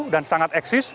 dan sangat eksis